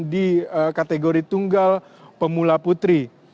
di kategori tunggal pemula putri